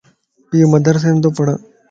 ايو مدرسيم تو پڙھه